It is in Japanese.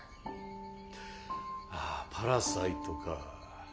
ああ「パラサイト」か。